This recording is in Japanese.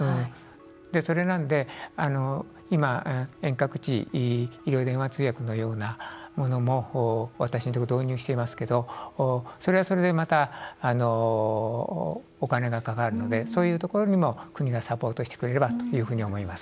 それなんで今、遠隔地医療電話通訳のようなものも私たちのところは導入していますけれどもそれはそれでお金がかかるのでそういうところにも国がサポートしてくれればと思います。